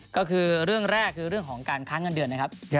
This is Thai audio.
แรกเรือองของการค้างเงินเดือน